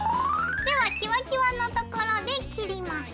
ではキワキワのところで切ります。